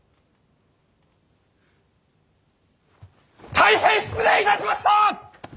大変失礼いたしました！